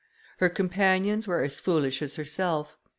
Her companions were as foolish as herself.